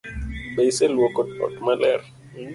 Be iseluoko ot maler?